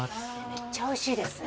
めっちゃおいしいですね。